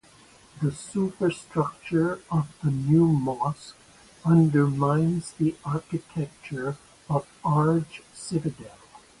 The superstructure of the new mosque undermine the architecture of Arg citadel.